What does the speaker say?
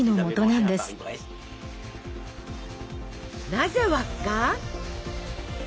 なぜ輪っか？